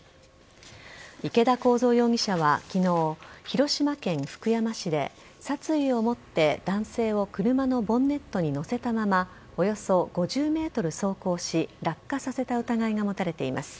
池田耕三容疑者は昨日広島県福山市で殺意を持って、男性を車のボンネットに乗せたままおよそ５０ｍ走行し落下させた疑いが持たれています。